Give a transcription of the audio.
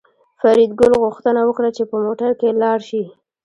فریدګل غوښتنه وکړه چې په موټر کې لاړ شي